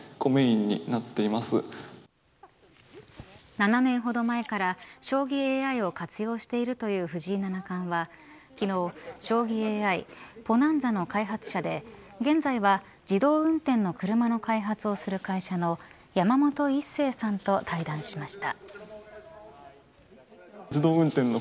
７年ほど前から将棋ＡＩを活用しているという藤井七冠は昨日将棋ＡＩＰｏｎａｎｚａの開発者で現在は自動運転の車の開発をする会社の山本一成さんと対談しました。